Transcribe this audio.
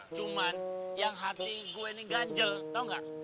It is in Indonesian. cuman yang hati gue ini ganjel tau gak